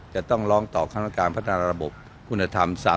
จะต้องร้องต่อคณะการพัฒนาระบบคุณธรรม